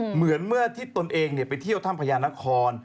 เหมือนเมื่อที่ตนเองไปเที่ยวถ้ำพญานคร